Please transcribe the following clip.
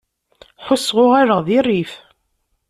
Ḥusseɣ uɣaleɣ di rrif.